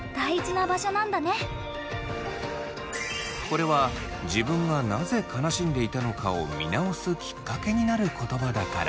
これは自分がなぜ悲しんでいたのかを見直すきっかけになる言葉だから。